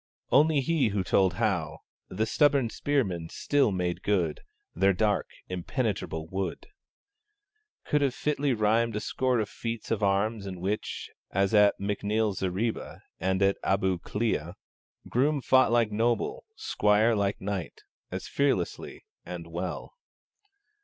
Only he who told how The stubborn spearmen still made good Their dark impenetrable wood could have fitly rhymed a score of feats of arms in which, as at M'Neill's Zareeba and at Abu Klea, Groom fought like noble, squire like knight, As fearlessly and well.